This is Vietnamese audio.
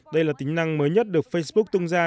đây là tính năng mới nhất được facebook tung ra